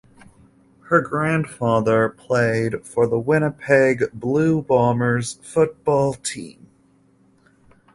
Her grandfather played for the Winnipeg Blue Bombers football team.